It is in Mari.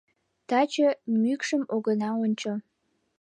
Таче мӱкшым огына ончо.